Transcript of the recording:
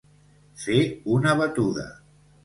Fer una batuda.